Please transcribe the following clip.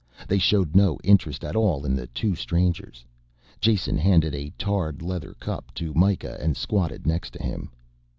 They showed no interest at all in the two strangers. Jason handed a tarred leather cup to Mikah and squatted next to him.